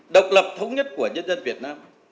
độc lập thống nhất của nhân dân việt nam